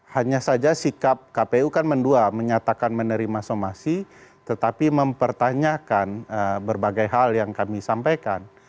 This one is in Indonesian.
hanya saja sikap kpu kan mendua menyatakan menerima somasi tetapi mempertanyakan berbagai hal yang kami sampaikan